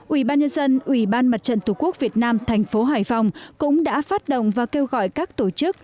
ủy ban nhân dân ủy ban mặt trận tổ quốc việt nam thành phố hải phòng cũng đã phát động và kêu gọi các tổ chức